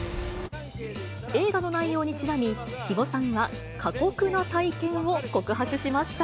映画の内容にちなみ、肥後さんは、過酷な体験を告白しました。